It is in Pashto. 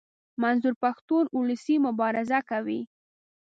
منظور پښتون اولسي مبارزه کوي.